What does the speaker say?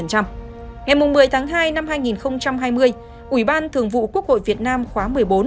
ngày một mươi tháng hai năm hai nghìn hai mươi ủy ban thường vụ quốc hội việt nam khóa một mươi bốn